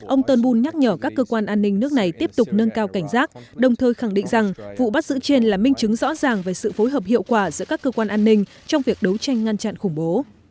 ông turnbul nhắc nhở các cơ quan an ninh nước này tiếp tục nâng cao cảnh giác đồng thời khẳng định rằng vụ bắt giữ trên là minh chứng rõ ràng về sự phối hợp hiệu quả giữa các cơ quan an ninh trong việc đấu tranh ngăn chặn khủng bố